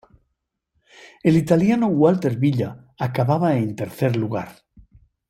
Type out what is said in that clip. El italiano Walter Villa acababa en tercer lugar.